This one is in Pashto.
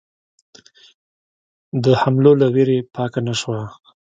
د حملو له وېرې پاکه نه شوه.